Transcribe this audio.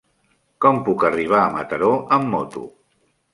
Com puc arribar a Mataró amb moto?